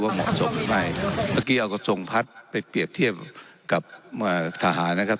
เหมาะสมหรือไม่เมื่อกี้เอากระทรงพัดไปเปรียบเทียบกับทหารนะครับ